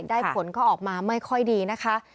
ผลก็ออกมาไม่ค่อยดีนะคะ